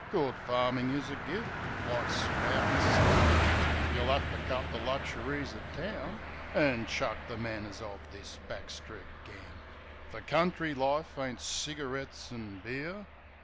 Good farmin' is a gift — like spoutin' slang. Yeh'll 'ave to cut the luxuries o' town, An' chuck the manners of this back street gang; Fer country life ain't cigarettes and beer."